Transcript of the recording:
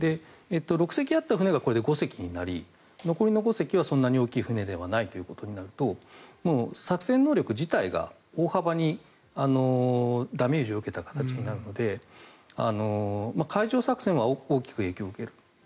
６隻あった船がこれで５隻になり残りの５隻はそんなに大きい船ではないとなると作戦能力自体が大幅にダメージを受けた形になるので海上作戦は大きく影響を受ける。